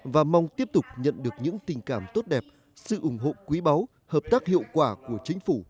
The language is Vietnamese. và mong tiếp tục nhận được những tình cảm tốt đẹp sự ủng hộ quý báu hợp tác hiệu quả của chính phủ